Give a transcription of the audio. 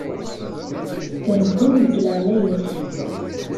Thedden, deg leɛaya-k.